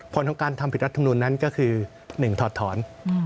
ผลของการทำผิดรัฐมนุนนั้นก็คือ๑ถอดถอน